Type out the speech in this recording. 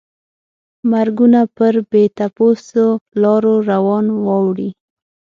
مرګونه پر بې تپوسو لارو روان واوړي.